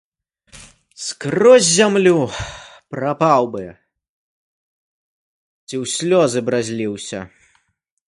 Скрозь зямлю прапаў бы б ці ў слёзы б разліўся!